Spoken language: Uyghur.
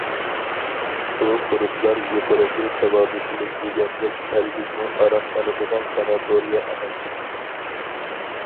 بۇ كۇرسلار يۇقىرىقى ساۋاقدىشىمىز دېگەندەك ھەرگىزمۇ ئارام ئالىدىغان‹‹ ساناتورىيە›› ئەمەس.